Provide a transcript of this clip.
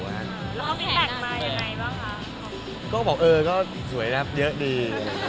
เออก็สวยนะครับเยอะดี